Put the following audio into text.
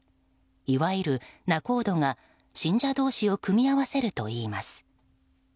いわゆる仲人が、信者同士を組み合わせるといいます。